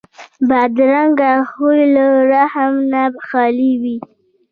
بدرنګه خوی له رحم نه خالي وي